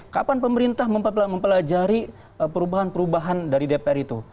kapan pemerintah mempelajari perubahan perubahan dari dpr itu